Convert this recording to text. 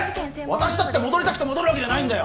私だって戻りたくて戻るわけじゃないんだよ